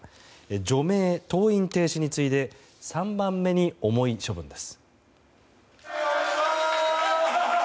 除名、登院停止に次いで３番目に重い処分です。